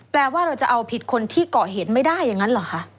แปลว่าเราจะเอาผิดคนที่เกาะเหตุไม่ได้อย่างนั้นเหรอคะ